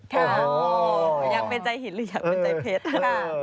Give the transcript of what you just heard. ค่ะอยากเป็นใจหินหรืออยากเป็นใจเพชร